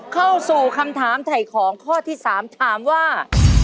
เข้าสู่คำถามถ่ายของข้อที่๓ถามว่า